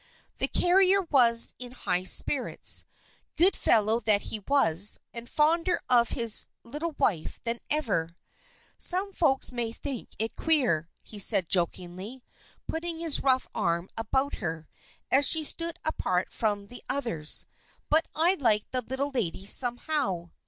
The carrier was in high spirits, good fellow that he was, and fonder of his little wife than ever. "Some folks may think it queer," he said jokingly, putting his rough arm about her, as she stood apart from the others, "but I like this little lady somehow.